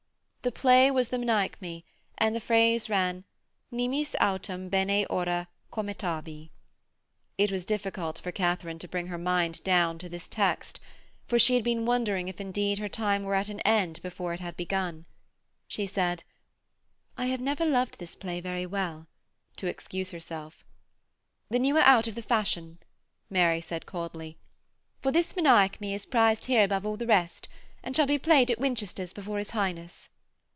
The play was the Menechmi, and the phrase ran, 'Nimis autem bene ora commetavi....' It was difficult for Katharine to bring her mind down to this text, for she had been wondering if indeed her time were at an end before it had begun. She said: 'I have never loved this play very well,' to excuse herself. 'Then you are out of the fashion,' Mary said coldly, 'for this Menechmi is prized here above all the rest, and shall be played at Winchester's before his Highness.'